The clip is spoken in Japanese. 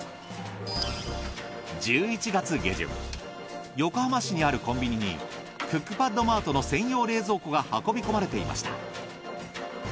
１１月下旬横浜市にあるコンビニにクックパッドマートの専用冷蔵庫が運び込まれていました。